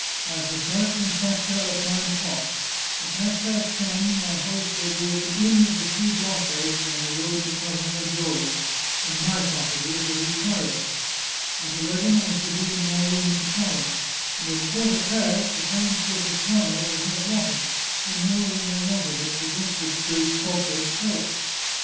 I shall start from Sacca at nine o'clock. At half past ten my horse will be at the inn of the Three Blockheads on the road to Casal Mag giore, and my property of the Ricciarda. At eleven I shall be in my room at the palace, and at a quarter past the towns folk of Parma will have water, and more than they want of it, to drink the great culprit's health.